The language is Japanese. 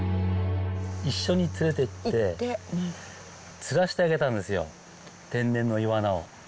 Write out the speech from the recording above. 一緒に連れていって、釣らしてあげたんですよ、天然のイワナを。